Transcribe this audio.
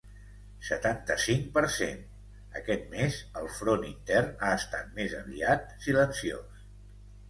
Setanta-cinc per cent Aquest mes el front intern ha estat més aviat silenciós.